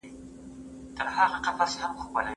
ايا ته سبا ته فکر کوې!.